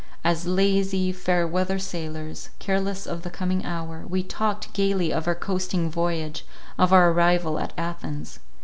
As lazy, fair weather sailors, careless of the coming hour, we talked gaily of our coasting voyage, of our arrival at Athens.